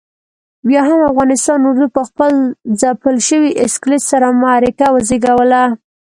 بیا هم افغانستان اردو پخپل ځپل شوي اسکلیت سره معرکه وزېږوله.